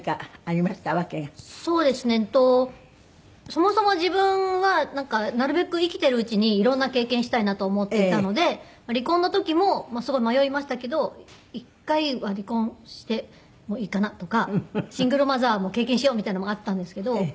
そもそも自分はなるべく生きているうちに色んな経験したいなと思っていたので離婚の時もすごい迷いましたけど一回は離婚してもいいかなとかシングルマザーも経験しようみたいなのもあったんですけど。